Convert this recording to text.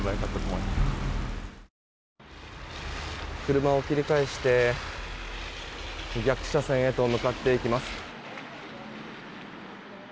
車を切り返して逆車線へと向かっていきます。